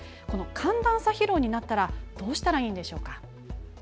寒暖差疲労になったらどうしたらいいんでしょうか。